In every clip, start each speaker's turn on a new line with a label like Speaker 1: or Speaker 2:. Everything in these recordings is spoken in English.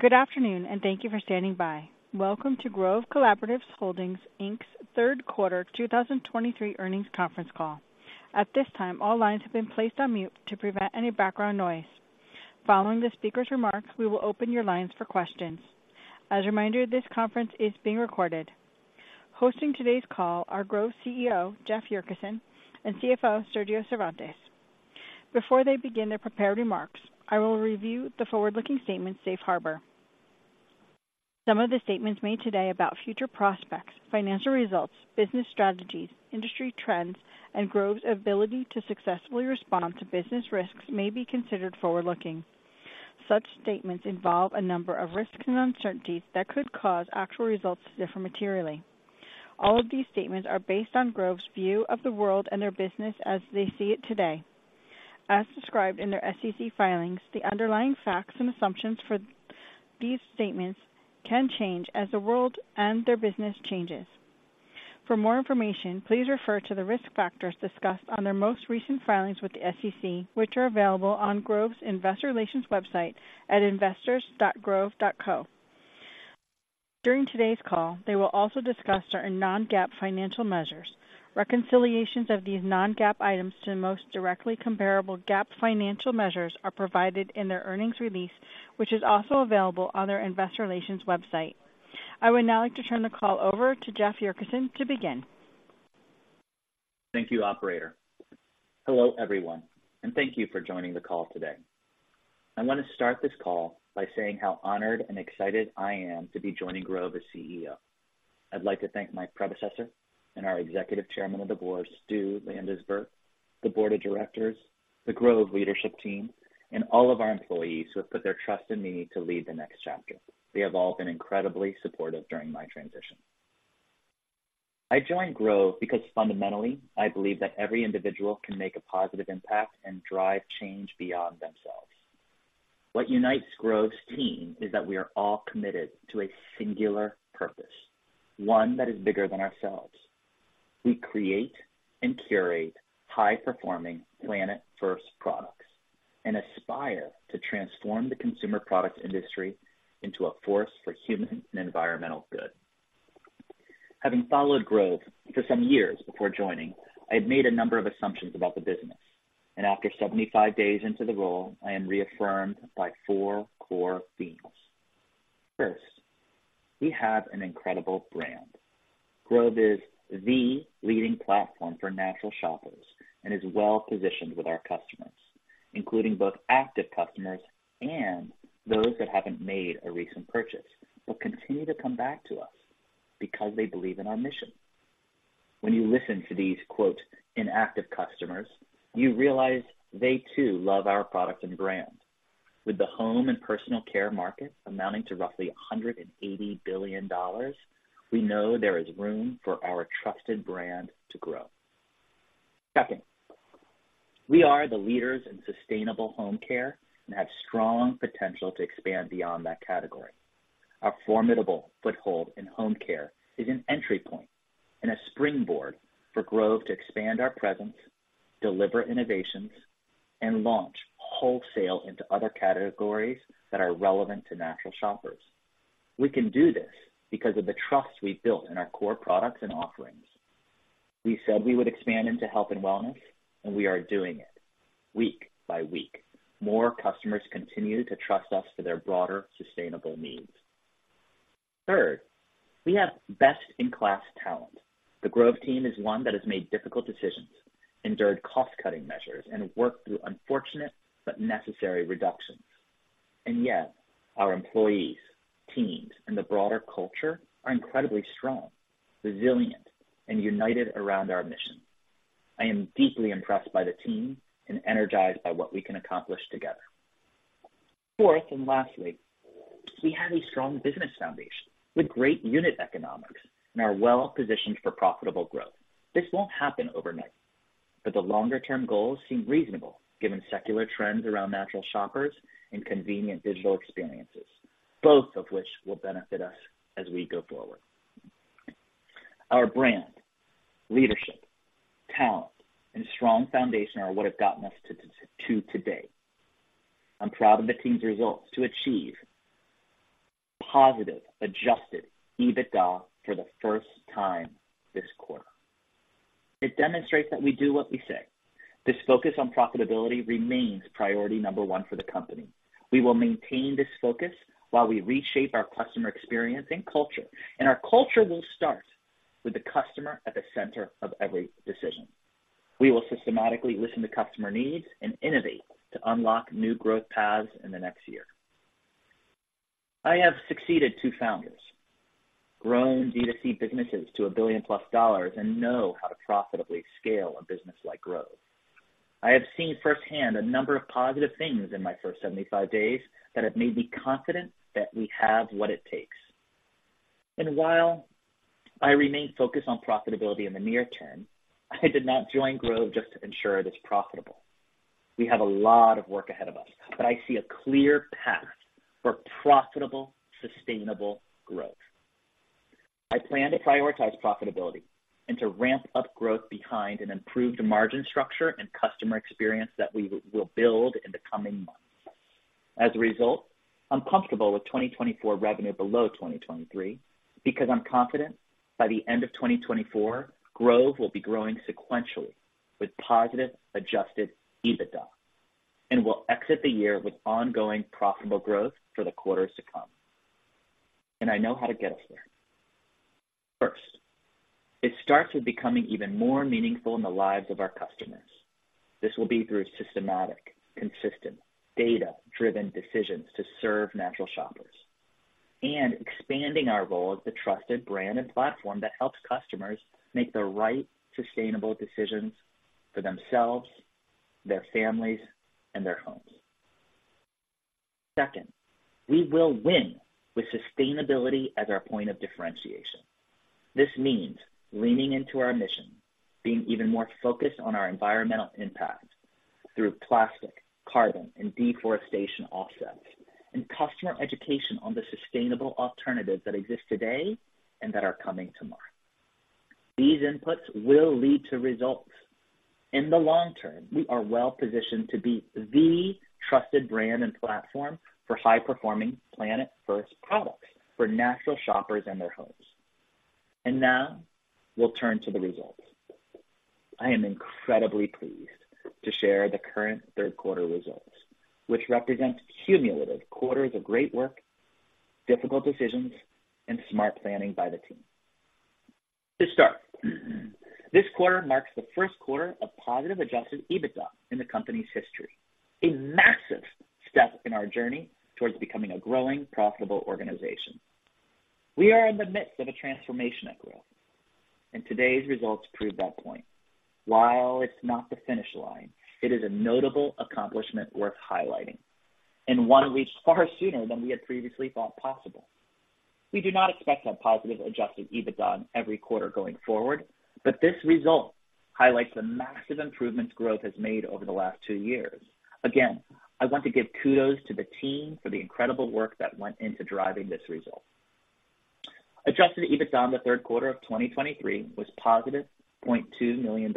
Speaker 1: Good afternoon, and thank you for standing by. Welcome to Grove Collaborative Holdings, Inc.'s third quarter 2023 earnings conference call. At this time, all lines have been placed on mute to prevent any background noise. Following the speaker's remarks, we will open your lines for questions. As a reminder, this conference is being recorded. Hosting today's call are Grove's CEO, Jeff Yurcisin, and CFO, Sergio Cervantes. Before they begin their prepared remarks, I will review the forward-looking statement, Safe Harbor. Some of the statements made today about future prospects, financial results, business strategies, industry trends, and Grove's ability to successfully respond to business risks may be considered forward-looking. Such statements involve a number of risks and uncertainties that could cause actual results to differ materially. All of these statements are based on Grove's view of the world and their business as they see it today. As described in their SEC filings, the underlying facts and assumptions for these statements can change as the world and their business changes. For more information, please refer to the risk factors discussed on their most recent filings with the SEC, which are available on Grove's Investor Relations website at investors.grove.co. During today's call, they will also discuss our non-GAAP financial measures. Reconciliations of these non-GAAP items to the most directly comparable GAAP financial measures are provided in their earnings release, which is also available on their Investor Relations website. I would now like to turn the call over to Jeff Yurcisin to begin.
Speaker 2: Thank you, operator. Hello, everyone, and thank you for joining the call today. I want to start this call by saying how honored and excited I am to be joining Grove as CEO. I'd like to thank my predecessor and our executive chairman of the board, Stu Landesberg, the board of directors, the Grove leadership team, and all of our employees who have put their trust in me to lead the next chapter. They have all been incredibly supportive during my transition. I joined Grove because fundamentally, I believe that every individual can make a positive impact and drive change beyond themselves. What unites Grove's team is that we are all committed to a singular purpose, one that is bigger than ourselves. We create and curate high-performing, Planet First products and aspire to transform the consumer products industry into a force for human and environmental good. Having followed Grove for some years before joining, I had made a number of assumptions about the business, and after 75 days into the role, I am reaffirmed by four core themes. First, we have an incredible brand. Grove is the leading platform for natural shoppers and is well positioned with our customers, including both active customers and those that haven't made a recent purchase, but continue to come back to us because they believe in our mission. When you listen to these, quote, "inactive customers," you realize they too love our products and brand. With the home and personal care market amounting to roughly $180 billion, we know there is room for our trusted brand to grow. Second, we are the leaders in sustainable home care and have strong potential to expand beyond that category. Our formidable foothold in home care is an entry point and a springboard for Grove to expand our presence, deliver innovations, and launch wholesale into other categories that are relevant to natural shoppers. We can do this because of the trust we've built in our core products and offerings. We said we would expand into health and wellness, and we are doing it. Week by week, more customers continue to trust us for their broader, sustainable needs. Third, we have best-in-class talent. The Grove team is one that has made difficult decisions, endured cost-cutting measures, and worked through unfortunate but necessary reductions. And yet, our employees, teams, and the broader culture are incredibly strong, resilient, and united around our mission. I am deeply impressed by the team and energized by what we can accomplish together. Fourth, and lastly, we have a strong business foundation with great unit economics and are well positioned for profitable growth. This won't happen overnight, but the longer-term goals seem reasonable given secular trends around natural shoppers and convenient digital experiences, both of which will benefit us as we go forward. Our brand, leadership, talent, and strong foundation are what have gotten us to today. I'm proud of the team's results to achieve positive Adjusted EBITDA for the first time this quarter. It demonstrates that we do what we say. This focus on profitability remains priority number one for the company. We will maintain this focus while we reshape our customer experience and culture, and our culture will start with the customer at the center of every decision. We will systematically listen to customer needs and innovate to unlock new growth paths in the next year. I have succeeded two founders, grown D2C businesses to $1 billion+, and know how to profitably scale a business like Grove. I have seen firsthand a number of positive things in my first 75 days that have made me confident that we have what it takes. While I remain focused on profitability in the near term, I did not join Grove just to ensure it is profitable. We have a lot of work ahead of us, but I see a clear path for profitable, sustainable growth. I plan to prioritize profitability and to ramp up Grove behind an improved margin structure and customer experience that we will build in the coming months. As a result, I'm comfortable with 2024 revenue below 2023 because I'm confident by the end of 2024, Grove will be growing sequentially with positive Adjusted EBITDA, and we'll exit the year with ongoing profitable growth for the quarters to come. I know how to get us there. First, it starts with becoming even more meaningful in the lives of our customers. This will be through systematic, consistent, data-driven decisions to serve natural shoppers and expanding our role as the trusted brand and platform that helps customers make the right sustainable decisions for themselves, their families, and their homes. Second, we will win with sustainability as our point of differentiation. This means leaning into our mission, being even more focused on our environmental impact through plastic, carbon, and deforestation offsets, and customer education on the sustainable alternatives that exist today and that are coming tomorrow. These inputs will lead to results. In the long term, we are well positioned to be the trusted brand and platform for high-performing Planet First products for natural shoppers and their homes. And now, we'll turn to the results. I am incredibly pleased to share the current third quarter results, which represents cumulative quarters of great work, difficult decisions, and smart planning by the team. To start, this quarter marks the first quarter of positive Adjusted EBITDA in the company's history, a massive step in our journey towards becoming a growing, profitable organization. We are in the midst of a transformation at Grove, and today's results prove that point. While it's not the finish line, it is a notable accomplishment worth highlighting and one reached far sooner than we had previously thought possible. We do not expect to have positive Adjusted EBITDA every quarter going forward, but this result highlights the massive improvements Grove has made over the last two years. Again, I want to give kudos to the team for the incredible work that went into driving this result. Adjusted EBITDA in the third quarter of 2023 was positive $2 million,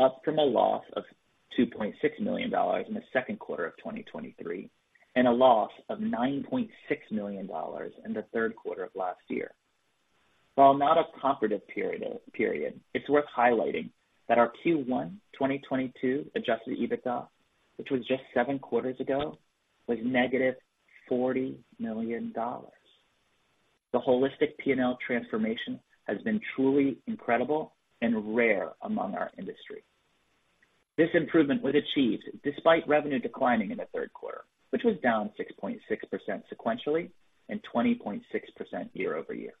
Speaker 2: up from a loss of $2.6 million in the second quarter of 2023, and a loss of $9.6 million in the third quarter of last year. While not a comparative period, it's worth highlighting that our Q1 2022 Adjusted EBITDA, which was just seven quarters ago, was negative $40 million. The holistic P&L transformation has been truly incredible and rare among our industry. This improvement was achieved despite revenue declining in the third quarter, which was down 6.6 sequentially and 20.6% year over year.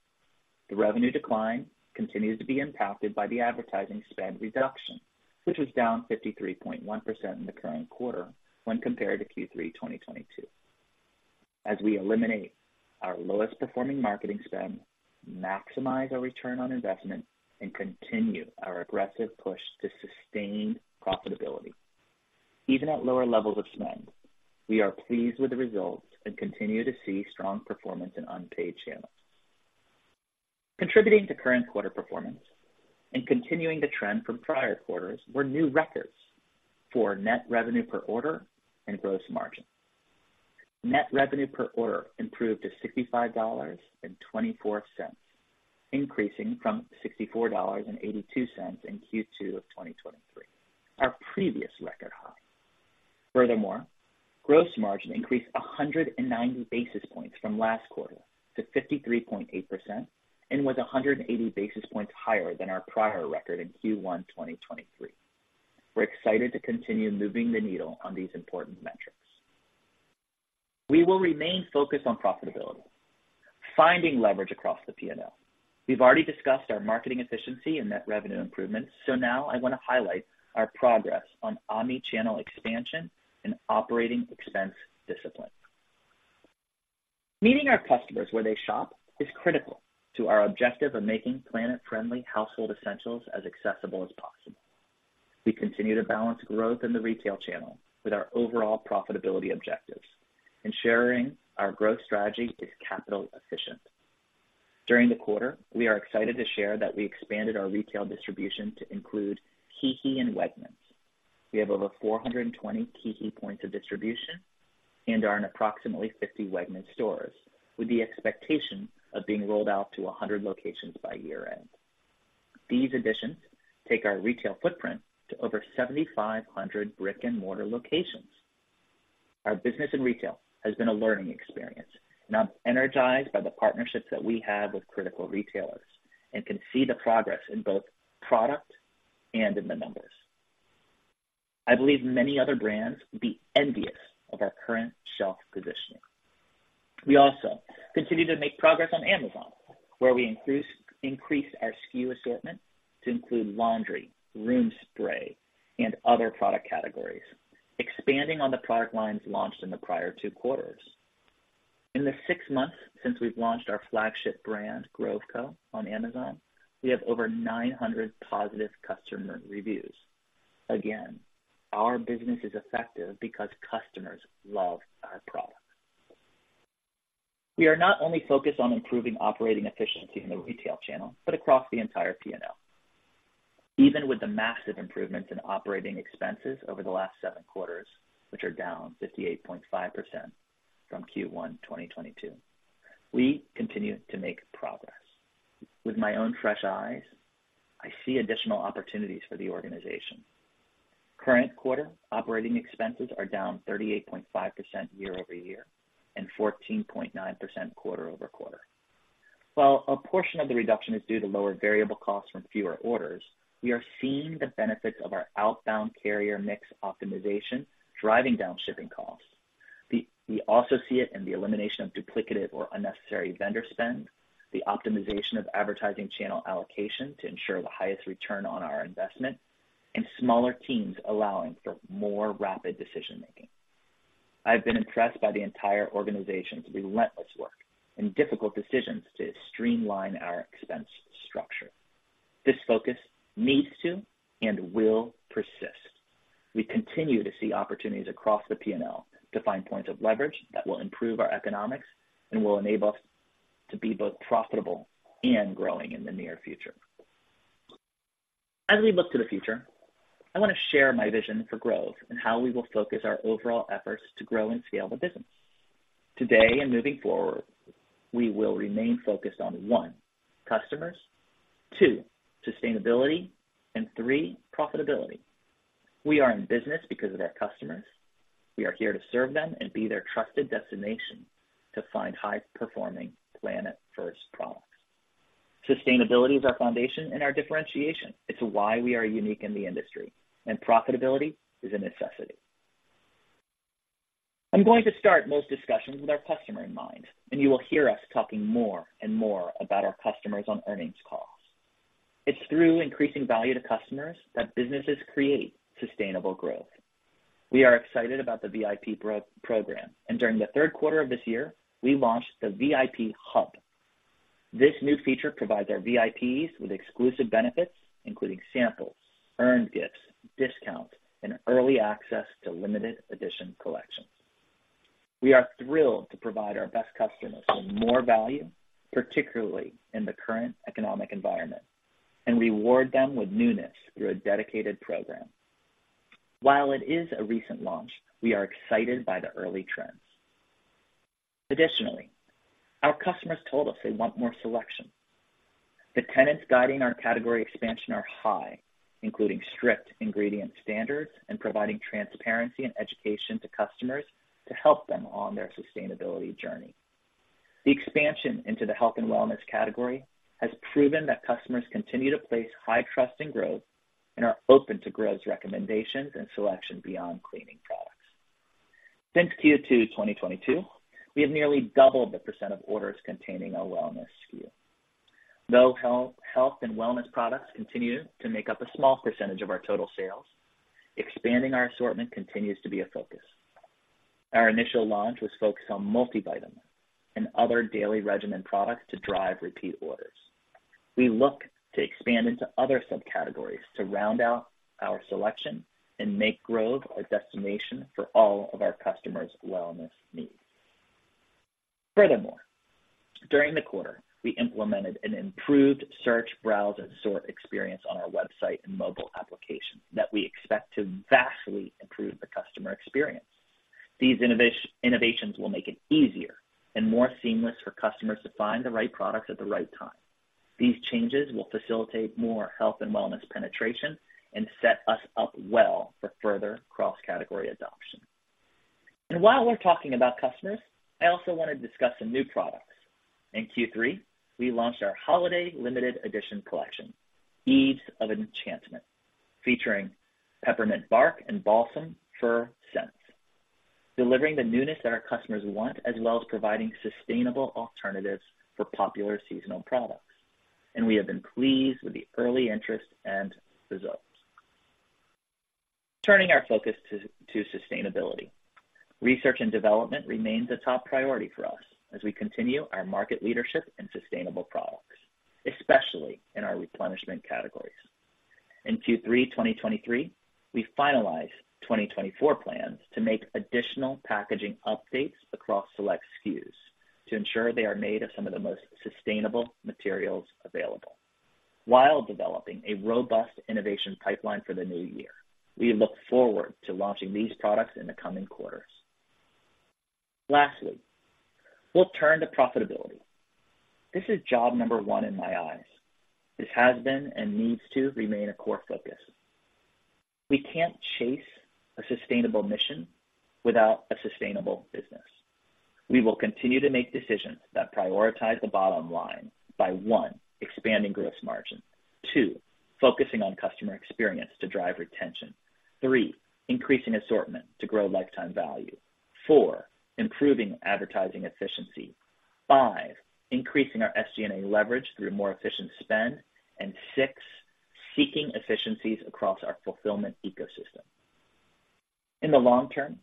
Speaker 2: The revenue decline continues to be impacted by the advertising spend reduction, which was down 53.1% in the current quarter when compared to Q3 2022. As we eliminate our lowest performing marketing spend, maximize our return on investment, and continue our aggressive push to sustain profitability. Even at lower levels of spend, we are pleased with the results and continue to see strong performance in unpaid channels. Contributing to current quarter performance and continuing the trend from prior quarters were new records for net revenue per order and gross margin. Net revenue per order improved to $65.24, increasing from $64.82 in Q2 of 2023, our previous record high. Furthermore, gross margin increased 190 basis points from last quarter to 53.8% and was 180 basis points higher than our prior record in Q1 2023. We're excited to continue moving the needle on these important metrics. We will remain focused on profitability, finding leverage across the P&L. We've already discussed our marketing efficiency and net revenue improvements, so now I wanna highlight our progress on omnichannel expansion and operating expense discipline. Meeting our customers where they shop is critical to our objective of making planet-friendly household essentials as accessible as possible. We continue to balance growth in the retail channel with our overall profitability objectives, ensuring our growth strategy is capital efficient. During the quarter, we are excited to share that we expanded our retail distribution to include Kroger and Wegmans. We have over 420 Kroger points of distribution and are in approximately 50 Wegmans stores, with the expectation of being rolled out to 100 locations by year-end. These additions take our retail footprint to over 7,500 brick-and-mortar locations. Our business in retail has been a learning experience, and I'm energized by the partnerships that we have with critical retailers and can see the progress in both product and in the numbers. I believe many other brands would be envious of our current shelf positioning. We also continue to make progress on Amazon, where we increase, increase our SKU assortment to include laundry, room spray, and other product categories, expanding on the product lines launched in the prior two quarters. In the six months since we've launched our flagship brand, Grove Co., on Amazon, we have over 900 positive customer reviews. Again, our business is effective because customers love our product. We are not only focused on improving operating efficiency in the retail channel, but across the entire PNL. Even with the massive improvements in operating expenses over the last seven quarters, which are down 58.5% from Q1 2022, we continue to make progress. With my own fresh eyes, I see additional opportunities for the organization. Current quarter operating expenses are down 38.5% year-over-year and 14.9% quarter-over-quarter. While a portion of the reduction is due to lower variable costs from fewer orders, we are seeing the benefits of our outbound carrier mix optimization, driving down shipping costs. We also see it in the elimination of duplicative or unnecessary vendor spend, the optimization of advertising channel allocation to ensure the highest return on our investment, and smaller teams allowing for more rapid decision making. I've been impressed by the entire organization's relentless work and difficult decisions to streamline our expense structure. This focus needs to and will persist. We continue to see opportunities across the PNL to find points of leverage that will improve our economics and will enable us to be both profitable and growing in the near future. As we look to the future, I wanna share my vision for Grove and how we will focus our overall efforts to grow and scale the business. Today and moving forward, we will remain focused on, one, customers, two, sustainability, and three, profitability. We are in business because of our customers. We are here to serve them and be their trusted destination to find high-performing planet first products. Sustainability is our foundation and our differentiation. It's why we are unique in the industry, and profitability is a necessity. I'm going to start most discussions with our customer in mind, and you will hear us talking more and more about our customers on earnings calls. It's through increasing value to customers that businesses create sustainable growth. We are excited about the VIP program, and during the third quarter of this year, we launched the VIP Hub. This new feature provides our VIPs with exclusive benefits, including samples, earned gifts, discounts, and early access to limited edition collections. We are thrilled to provide our best customers with more value, particularly in the current economic environment, and reward them with newness through a dedicated program. While it is a recent launch, we are excited by the early trends. Additionally, our customers told us they want more selection. The tenets guiding our category expansion are high, including strict ingredient standards and providing transparency and education to customers to help them on their sustainability journey. The expansion into the health and wellness category has proven that customers continue to place high trust in Grove and are open to Grove recommendations and selection beyond cleaning products. Since Q2 2022, we have nearly doubled the % of orders containing a wellness SKU. Though health and wellness products continue to make up a small percentage of our total sales, expanding our assortment continues to be a focus. Our initial launch was focused on multivitamins and other daily regimen products to drive repeat orders. We look to expand into other subcategories to round out our selection and make Grove a destination for all of our customers' wellness needs. Furthermore, during the quarter, we implemented an improved search, browse, and sort experience on our website and mobile application that we expect to vastly improve the customer experience. These innovations will make it easier and more seamless for customers to find the right product at the right time. These changes will facilitate more health and wellness penetration and set us up well for further cross-category adoption. And while we're talking about customers, I also wanna discuss some new products. In Q3, we launched our holiday limited edition collection, Eve of Enchantment, featuring peppermint bark and balsam fir scents, delivering the newness that our customers want, as well as providing sustainable alternatives for popular seasonal products. We have been pleased with the early interest and results. Turning our focus to sustainability. Research and development remains a top priority for us as we continue our market leadership and sustainable products, especially in our replenishment categories. In Q3 2023, we finalized 2024 plans to make additional packaging updates across select SKUs to ensure they are made of some of the most sustainable materials available. While developing a robust innovation pipeline for the new year, we look forward to launching these products in the coming quarters. Lastly, we'll turn to profitability. This is job number one in my eyes. This has been and needs to remain a core focus. We can't chase a sustainable mission without a sustainable business. We will continue to make decisions that prioritize the bottom line by, 1, expanding gross margin, 2, focusing on customer experience to drive retention, 3, increasing assortment to grow lifetime value, 4, improving advertising efficiency, 5, increasing our SG&A leverage through more efficient spend, and 6, seeking efficiencies across our fulfillment ecosystem. In the long term,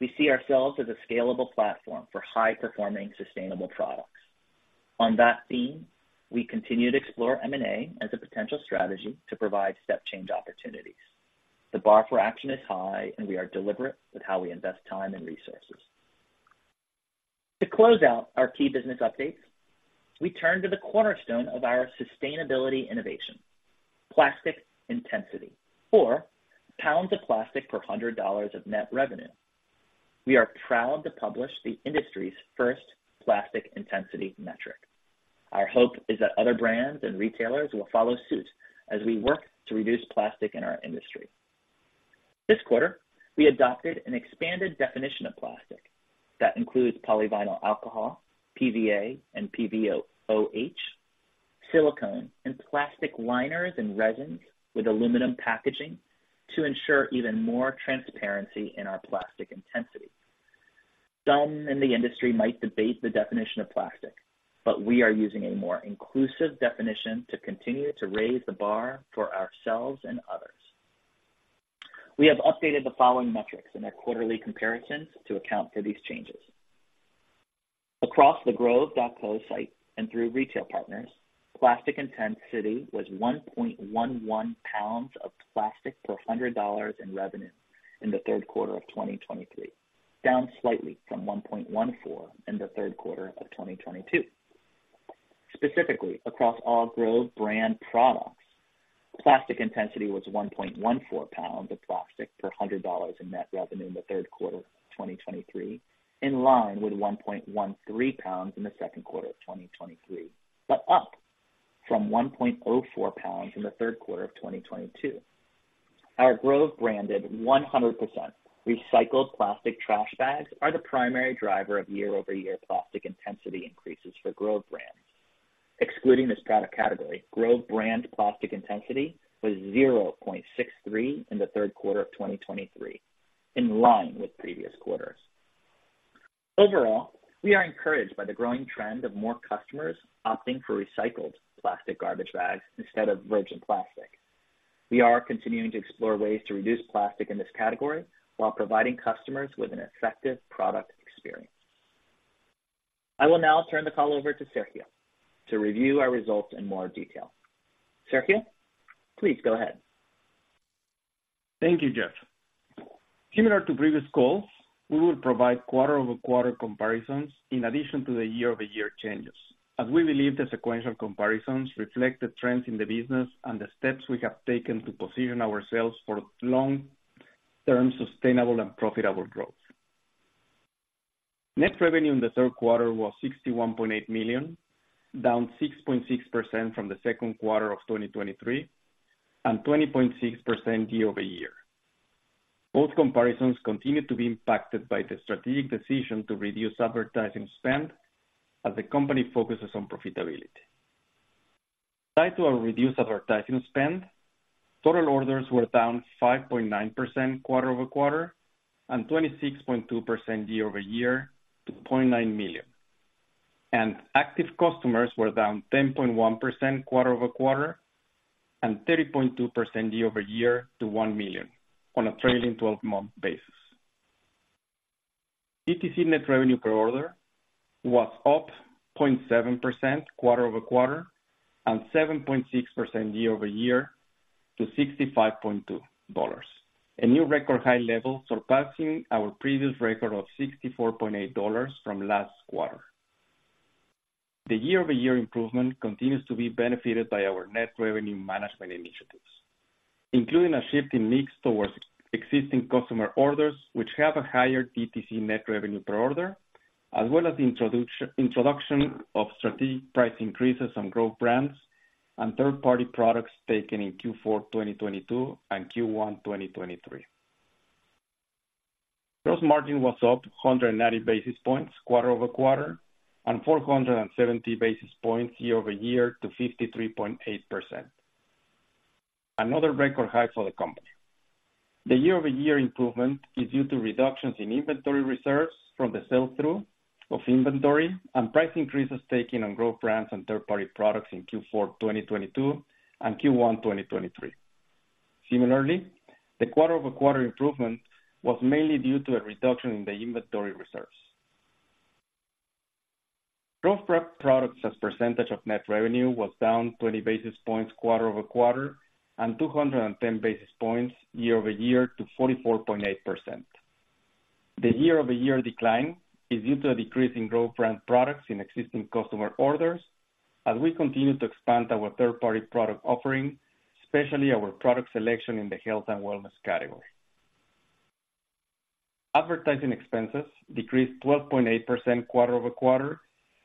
Speaker 2: we see ourselves as a scalable platform for high-performing, sustainable products. On that theme, we continue to explore M&A as a potential strategy to provide step change opportunities. The bar for action is high, and we are deliberate with how we invest time and resources. To close out our key business updates, we turn to the cornerstone of our sustainability innovation, plastic intensity, or pounds of plastic per $100 of net revenue. We are proud to publish the industry's first plastic intensity metric. Our hope is that other brands and retailers will follow suit as we work to reduce plastic in our industry. This quarter, we adopted an expanded definition of plastic that includes polyvinyl alcohol, PVA and PVOH, silicone, and plastic liners and resins with aluminum packaging to ensure even more transparency in our plastic intensity. Some in the industry might debate the definition of plastic, but we are using a more inclusive definition to continue to raise the bar for ourselves and others. We have updated the following metrics and their quarterly comparisons to account for these changes. Across the Grove.co site and through retail partners, plastic intensity was 1.11 pounds of plastic per $100 in revenue in the third quarter of 2023, down slightly from 1.14 in the third quarter of 2022. Specifically, across all Grove brand products, plastic intensity was 1.14 pounds of plastic per $100 in net revenue in the third quarter of 2023, in line with 1.13 pounds in the second quarter of 2023, but up from 1.04 pounds in the third quarter of 2022. Our Grove-branded 100% recycled plastic trash bags are the primary driver of year-over-year plastic intensity increases for Grove brands. Excluding this product category, Grove brand plastic intensity was 0.63 in the third quarter of 2023, in line with previous quarters. Overall, we are encouraged by the growing trend of more customers opting for recycled plastic garbage bags instead of virgin plastic. We are continuing to explore ways to reduce plastic in this category while providing customers with an effective product experience. I will now turn the call over to Sergio to review our results in more detail. Sergio, please go ahead.
Speaker 3: Thank you, Jeff. Similar to previous calls, we will provide quarter-over-quarter comparisons in addition to the year-over-year changes, as we believe the sequential comparisons reflect the trends in the business and the steps we have taken to position ourselves for long-term, sustainable and profitable growth. Net revenue in the third quarter was $61.8 million, down 6.6% from the second quarter of 2023, and 20.6% year over year. Both comparisons continued to be impacted by the strategic decision to reduce advertising spend as the company focuses on profitability. Tied to our reduced advertising spend, total orders were down 5.9% quarter over quarter and 26.2% year over year to 0.9 million. Active customers were down 10.1% quarter-over-quarter and 30.2% year-over-year to 1 million on a trailing twelve-month basis. DTC net revenue per order was up 0.7% quarter-over-quarter and 7.6% year-over-year to $65.2, a new record high level, surpassing our previous record of $64.8 from last quarter. The year-over-year improvement continues to be benefited by our net revenue management initiatives, including a shift in mix towards existing customer orders, which have a higher DTC net revenue per order, as well as the introduction of strategic price increases on Grove brands and third-party products taken in Q4 2022 and Q1 2023. Gross margin was up 190 basis points quarter-over-quarter and 470 basis points year-over-year to 53.8%. Another record high for the company. The year-over-year improvement is due to reductions in inventory reserves from the sell-through of inventory and price increases taken on Grove brands and third-party products in Q4 2022 and Q1 2023. Similarly, the quarter-over-quarter improvement was mainly due to a reduction in the inventory reserves. Grove products as percentage of net revenue was down 20 basis points quarter-over-quarter and 210 basis points year-over-year to 44.8%. The year-over-year decline is due to a decrease in Grove brand products in existing customer orders as we continue to expand our third-party product offering, especially our product selection in the health and wellness category. Advertising expenses decreased 12.8% quarter-over-quarter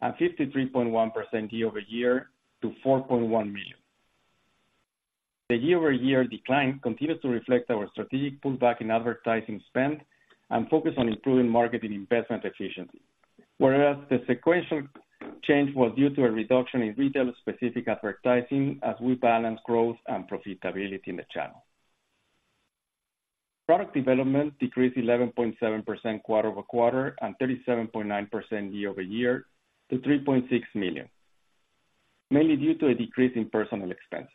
Speaker 3: and 53.1% year-over-year to $4.1 million. The year-over-year decline continues to reflect our strategic pullback in advertising spend and focus on improving marketing investment efficiency, whereas the sequential change was due to a reduction in retail-specific advertising as we balance Grove and profitability in the channel. Product development decreased 11.7% quarter-over-quarter and 37.9% year-over-year to $3.6 million, mainly due to a decrease in personnel expenses.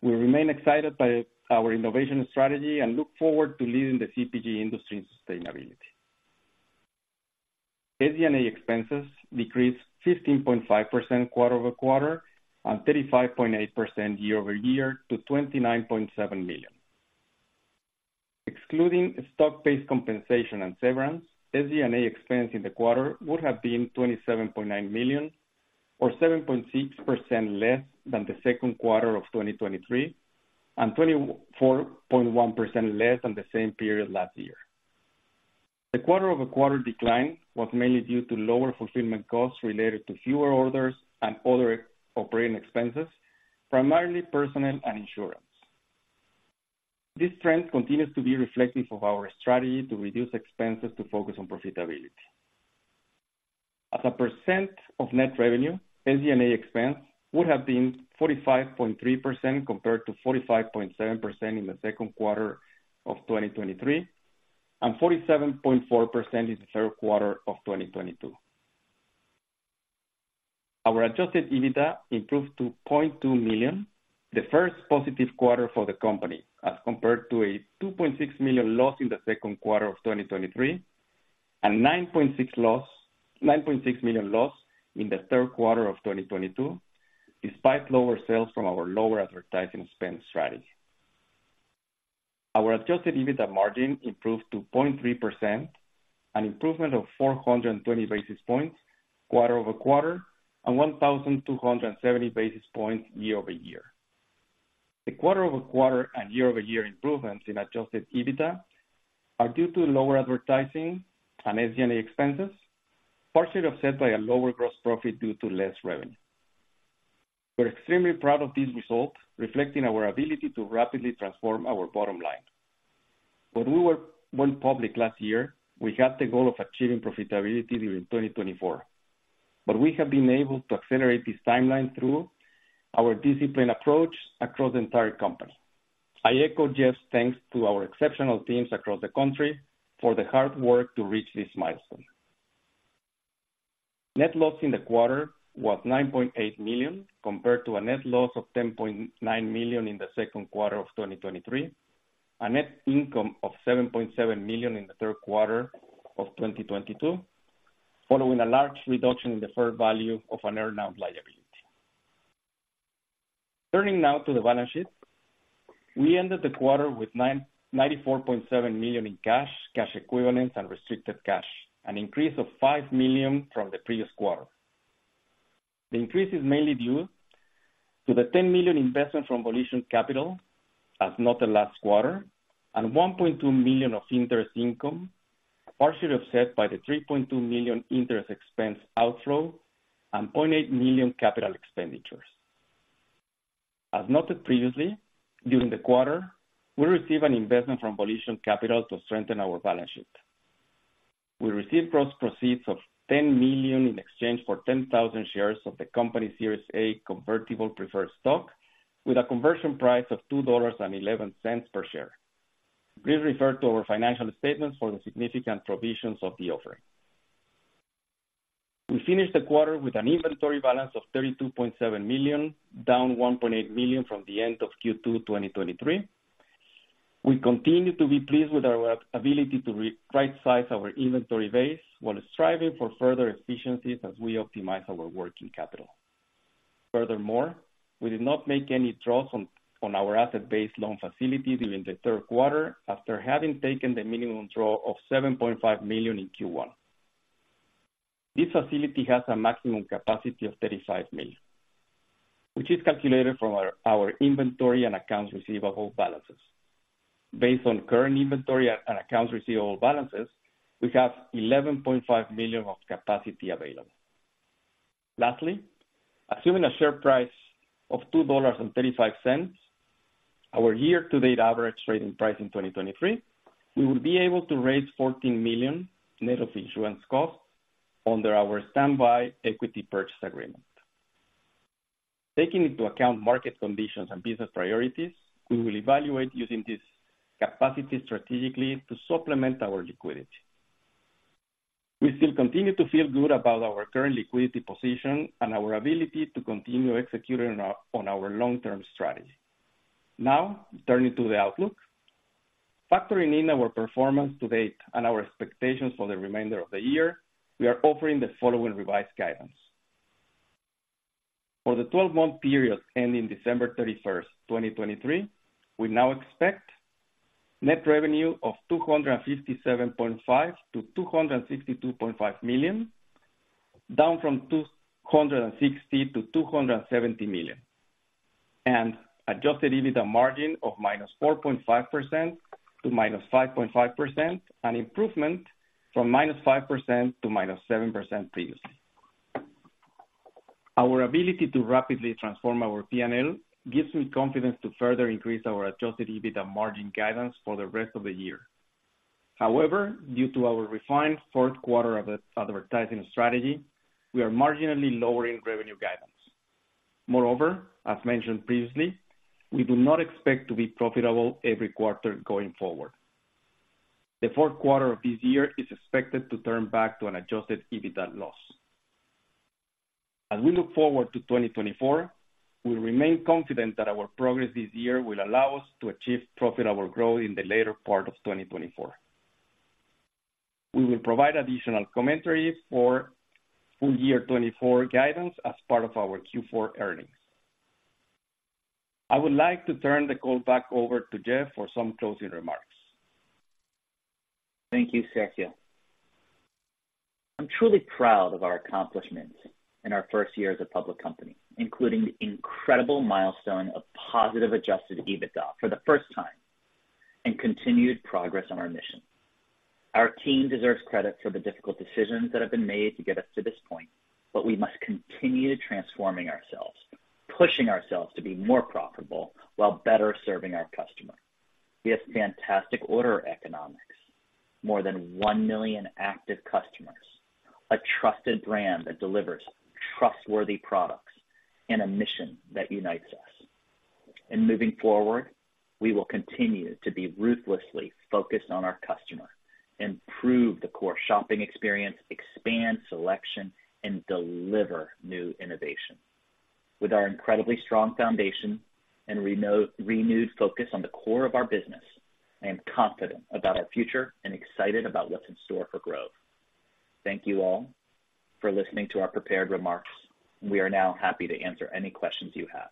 Speaker 3: We remain excited by our innovation strategy and look forward to leading the CPG industry in sustainability. SG&A expenses decreased 15.5% quarter-over-quarter and 35.8% year-over-year to $29.7 million. Excluding stock-based compensation and severance, SG&A expense in the quarter would have been $27.9 million, or 7.6% less than the second quarter of 2023, and 24.1% less than the same period last year. The quarter-over-quarter decline was mainly due to lower fulfillment costs related to fewer orders and other operating expenses, primarily personnel and insurance. This trend continues to be reflective of our strategy to reduce expenses to focus on profitability. As a percent of net revenue, SG&A expense would have been 45.3%, compared to 45.7% in the second quarter of 2023, and 47.4% in the third quarter of 2022. Our Adjusted EBITDA improved to $0.2 million, the first positive quarter for the company, as compared to a $2.6 million loss in the second quarter of 2023, and $9.6 million loss in the third quarter of 2022, despite lower sales from our lower advertising spend strategy. Our Adjusted EBITDA margin improved to 0.3%, an improvement of 420 basis points quarter-over-quarter and 1,270 basis points year-over-year. The quarter-over-quarter and year-over-year improvements in Adjusted EBITDA are due to lower advertising and SG&A expenses, partially offset by a lower gross profit due to less revenue. We're extremely proud of this result, reflecting our ability to rapidly transform our bottom line. When we went public last year, we had the goal of achieving profitability during 2024, but we have been able to accelerate this timeline through our disciplined approach across the entire company. I echo Jeff's thanks to our exceptional teams across the country for the hard work to reach this milestone. Net loss in the quarter was $9.8 million, compared to a net loss of $10.9 million in the second quarter of 2023, a net income of $7.7 million in the third quarter of 2022, following a large reduction in the fair value of an earnout liability. Turning now to the balance sheet. We ended the quarter with $94.7 million in cash, cash equivalents, and restricted cash, an increase of $5 million from the previous quarter. The increase is mainly due to the $10 million investment from Volition Capital, as noted last quarter, and $1.2 million of interest income, partially offset by the $3.2 million interest expense outflow and $0.8 million capital expenditures. As noted previously, during the quarter, we received an investment from Volition Capital to strengthen our balance sheet. We received gross proceeds of $10 million in exchange for 10,000 shares of the company's Series A Convertible Preferred Stock, with a conversion price of $2.11 per share. Please refer to our financial statements for the significant provisions of the offering. We finished the quarter with an inventory balance of $32.7 million, down $1.8 million from the end of Q2 2023. We continue to be pleased with our ability to re-rightsize our inventory base while striving for further efficiencies as we optimize our working capital. Furthermore, we did not make any draws on our Asset-Based Loan facility during the third quarter, after having taken the minimum draw of $7.5 million in Q1. This facility has a maximum capacity of $35 million, which is calculated from our inventory and accounts receivable balances. Based on current inventory and accounts receivable balances, we have $11.5 million of capacity available. Lastly, assuming a share price of $2.35, our year-to-date average trading price in 2023, we will be able to raise $14 million net of insurance costs under our Standby Equity Purchase Agreement. Taking into account market conditions and business priorities, we will evaluate using this capacity strategically to supplement our liquidity. We still continue to feel good about our current liquidity position and our ability to continue executing on our long-term strategy. Now, turning to the outlook. Factoring in our performance to date and our expectations for the remainder of the year, we are offering the following revised guidance: For the twelve-month period ending December 31, 2023, we now expect net revenue of $257.5 million-$262.5 million, down from $260 million-$270 million, and Adjusted EBITDA margin of -4.5% to -5.5%, an improvement from -5% to -7% previously. Our ability to rapidly transform our P&L gives me confidence to further increase our Adjusted EBITDA margin guidance for the rest of the year. However, due to our refined fourth quarter advertising strategy, we are marginally lowering revenue guidance. Moreover, as mentioned previously, we do not expect to be profitable every quarter going forward. The fourth quarter of this year is expected to turn back to an Adjusted EBITDA loss. As we look forward to 2024, we remain confident that our progress this year will allow us to achieve profitable growth in the later part of 2024. We will provide additional commentary for full year 2024 guidance as part of our Q4 earnings. I would like to turn the call back over to Jeff for some closing remarks.
Speaker 2: Thank you, Sergio. I'm truly proud of our accomplishments in our first year as a public company, including the incredible milestone of positive Adjusted EBITDA for the first time and continued progress on our mission. Our team deserves credit for the difficult decisions that have been made to get us to this point, but we must continue transforming ourselves, pushing ourselves to be more profitable while better serving our customer. We have fantastic order economics, more than 1 million active customers, a trusted brand that delivers trustworthy products, and a mission that unites us. And moving forward, we will continue to be ruthlessly focused on our customer, improve the core shopping experience, expand selection, and deliver new innovation. With our incredibly strong foundation and renewed focus on the core of our business, I am confident about our future and excited about what's in store for Grove. Thank you all for listening to our prepared remarks, and we are now happy to answer any questions you have.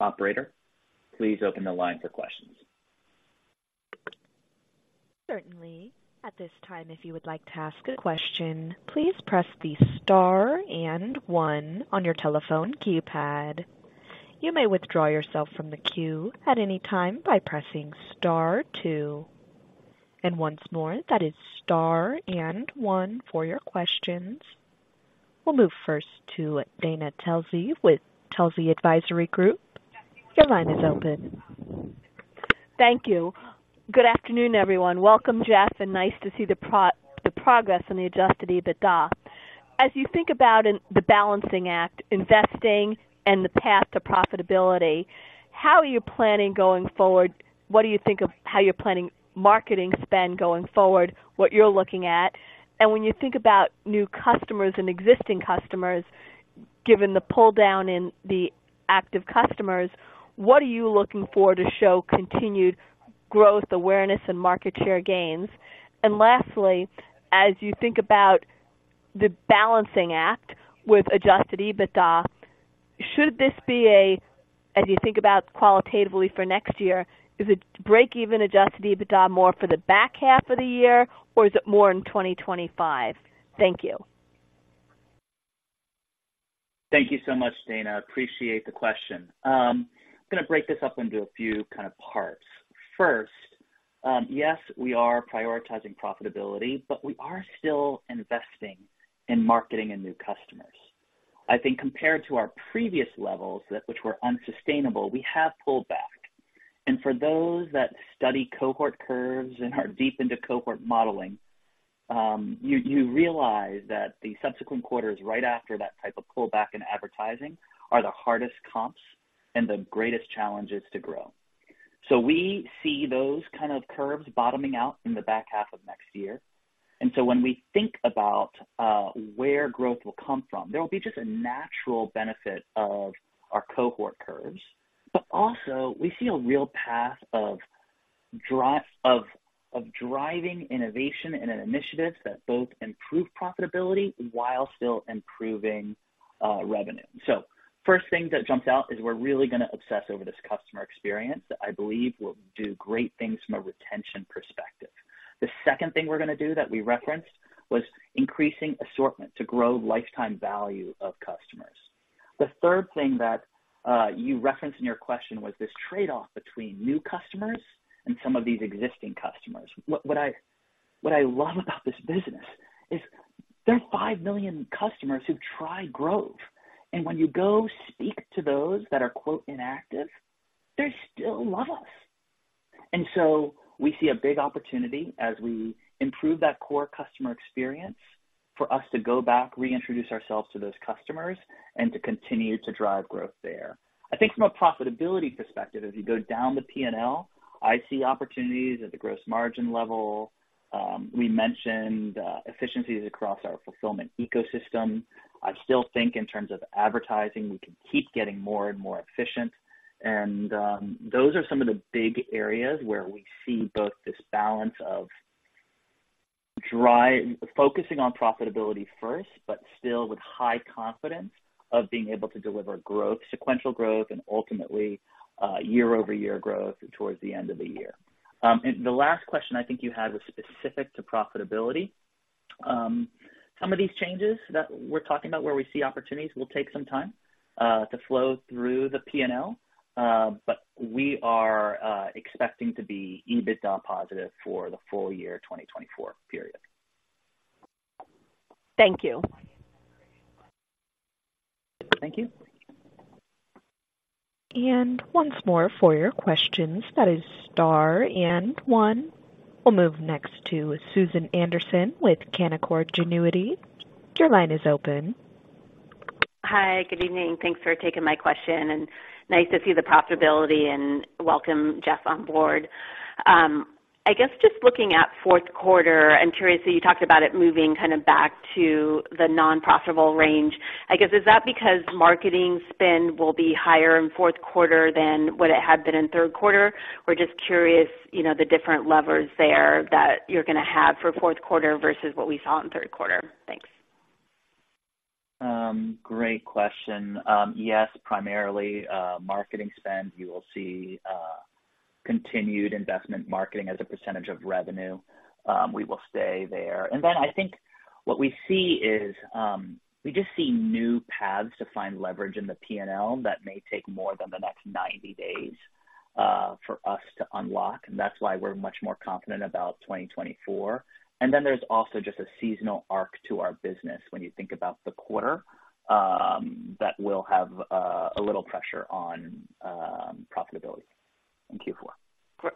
Speaker 2: Operator, please open the line for questions.
Speaker 1: Certainly. At this time, if you would like to ask a question, please press the star and one on your telephone keypad. You may withdraw yourself from the queue at any time by pressing star two. And once more, that is star and one for your questions. We'll move first to Dana Telsey with Telsey Advisory Group. Your line is open.
Speaker 4: Thank you. Good afternoon, everyone. Welcome, Jeff, and nice to see the progress on the Adjusted EBITDA. As you think about, in the balancing act, investing and the path to profitability, how are you planning going forward? What do you think of how you're planning marketing spend going forward, what you're looking at? And when you think about new customers and existing customers, given the pull down in the active customers, what are you looking for to show continued growth, awareness, and market share gains? And lastly, as you think about the balancing act with Adjusted EBITDA, should this be a, as you think about qualitatively for next year, is it breakeven Adjusted EBITDA more for the back half of the year, or is it more in 2025? Thank you.
Speaker 2: Thank you so much, Dana. Appreciate the question. I'm gonna break this up into a few kind of parts. First, yes, we are prioritizing profitability, but we are still investing in marketing and new customers. I think compared to our previous levels, that which were unsustainable, we have pulled back. And for those that study cohort curves and are deep into cohort modeling, you, you realize that the subsequent quarters right after that type of pullback in advertising are the hardest comps and the greatest challenges to grow. So we see those kind of curves bottoming out in the back half of next year. And so when we think about where Grove will come from, there will be just a natural benefit of our cohort curves. But also we see a real path of driving innovation and initiatives that both improve profitability while still improving revenue. So first thing that jumps out is we're really gonna obsess over this customer experience that I believe will do great things from a retention perspective. The second thing we're gonna do that we referenced was increasing assortment to grow lifetime value of customers. The third thing that you referenced in your question was this trade-off between new customers and some of these existing customers. What I love about this business is there are 5 million customers who try Grove, and when you go speak to those that are, quote, "inactive," they still love us. And so we see a big opportunity as we improve that core customer experience, for us to go back, reintroduce ourselves to those customers, and to continue to drive growth there. I think from a profitability perspective, as you go down the P&L, I see opportunities at the gross margin level. We mentioned efficiencies across our fulfillment ecosystem. I still think in terms of advertising, we can keep getting more and more efficient. And those are some of the big areas where we see both this balance of focusing on profitability first, but still with high confidence of being able to deliver growth, sequential growth, and ultimately year-over-year growth towards the end of the year. And the last question I think you had was specific to profitability. Some of these changes that we're talking about where we see opportunities will take some time to flow through the P&L, but we are expecting to be EBITDA positive for the full year, 2024 period.
Speaker 4: Thank you.
Speaker 2: Thank you.
Speaker 1: And once more for your questions, that is star and one. We'll move next to Susan Anderson with Canaccord Genuity. Your line is open....
Speaker 5: Hi, good evening. Thanks for taking my question, and nice to see the profitability and welcome Jeff on board. I guess just looking at fourth quarter, I'm curious, so you talked about it moving kind of back to the non-profitable range. I guess, is that because marketing spend will be higher in fourth quarter than what it had been in third quarter? We're just curious, you know, the different levers there that you're gonna have for fourth quarter versus what we saw in third quarter. Thanks.
Speaker 2: Great question. Yes, primarily, marketing spend, you will see, continued investment marketing as a percentage of revenue. We will stay there. And then I think what we see is, we just see new paths to find leverage in the P&L that may take more than the next 90 days, for us to unlock. That's why we're much more confident about 2024. And then there's also just a seasonal arc to our business when you think about the quarter, that will have, a little pressure on, profitability in Q4.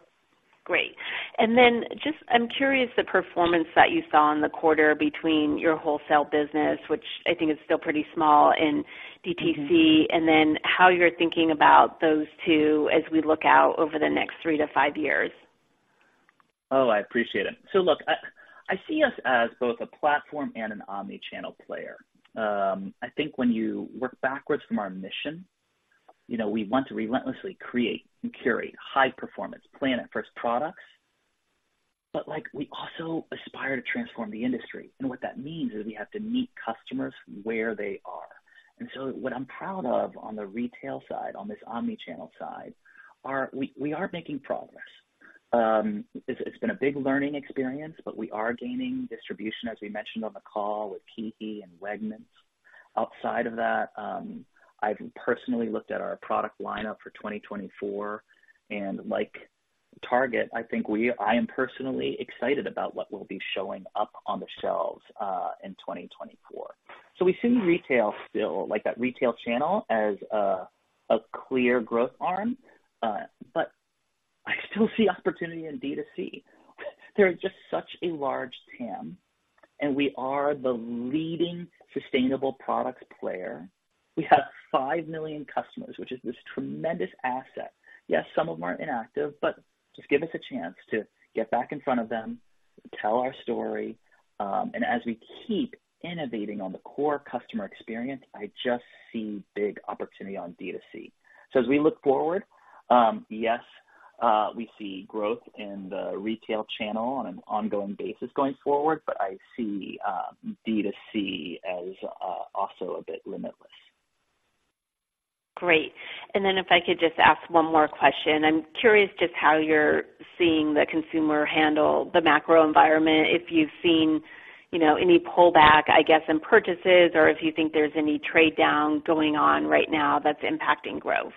Speaker 5: Great. And then just, I'm curious, the performance that you saw in the quarter between your wholesale business, which I think is still pretty small, in DTC, and then how you're thinking about those two as we look out over the next 3-5 years.
Speaker 2: Oh, I appreciate it. So look, I see us as both a platform and an omni-channel player. I think when you work backwards from our mission, you know, we want to relentlessly create and curate high performance planet-first products, but, like, we also aspire to transform the industry. And what that means is we have to meet customers where they are. And so what I'm proud of on the retail side, on this omni-channel side, we are making progress. It's been a big learning experience, but we are gaining distribution, as we mentioned on the call, with Kroger and Wegmans. Outside of that, I've personally looked at our product lineup for 2024, and like Target, I think we, I am personally excited about what will be showing up on the shelves in 2024. So we see retail still, like, that retail channel, as a clear Grove arm. But I still see opportunity in D2C. There is just such a large TAM, and we are the leading sustainable products player. We have 5 million customers, which is this tremendous asset. Yes, some of them are inactive, but just give us a chance to get back in front of them, tell our story, and as we keep innovating on the core customer experience, I just see big opportunity on D2C. So as we look forward, yes, we see Grove in the retail channel on an ongoing basis going forward, but I see D2C as also a bit limitless.
Speaker 5: Great. And then if I could just ask one more question. I'm curious just how you're seeing the consumer handle the macro environment, if you've seen, you know, any pullback, I guess, in purchases, or if you think there's any trade-down going on right now that's impacting Grove.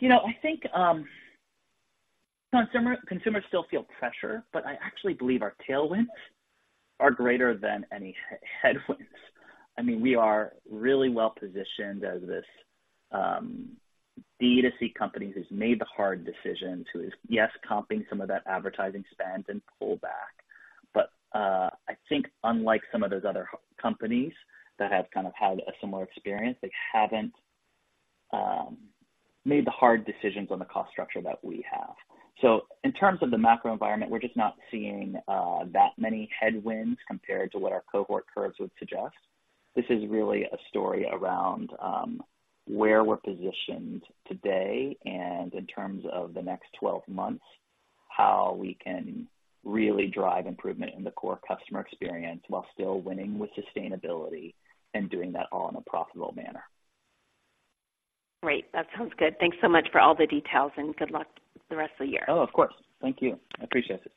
Speaker 2: You know, I think, consumers still feel pressure, but I actually believe our tailwinds are greater than any headwinds. I mean, we are really well positioned as this D2C company who's made the hard decision to, yes, comping some of that advertising spend and pull back. But I think unlike some of those other companies that have kind of had a similar experience, they haven't made the hard decisions on the cost structure that we have. So in terms of the macro environment, we're just not seeing that many headwinds compared to what our cohort curves would suggest. This is really a story around where we're positioned today, and in terms of the next twelve months, how we can really drive improvement in the core customer experience while still winning with sustainability and doing that all in a profitable manner.
Speaker 5: Great. That sounds good. Thanks so much for all the details, and good luck with the rest of the year.
Speaker 2: Oh, of course. Thank you. I appreciate it.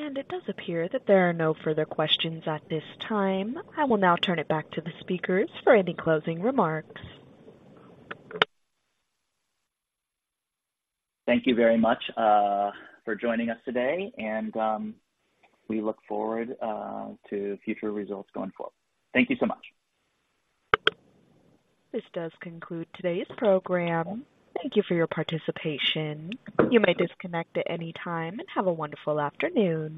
Speaker 1: It does appear that there are no further questions at this time. I will now turn it back to the speakers for any closing remarks.
Speaker 2: Thank you very much for joining us today, and we look forward to future results going forward. Thank you so much.
Speaker 1: This does conclude today's program. Thank you for your participation. You may disconnect at any time, and have a wonderful afternoon.